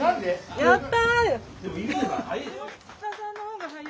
やった！